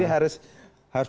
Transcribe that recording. iya susah susah